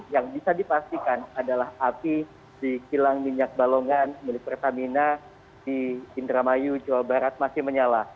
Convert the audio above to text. yang bisa dipastikan adalah api di kilang minyak balongan milik pertamina di indramayu jawa barat masih menyala